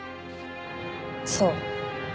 そう。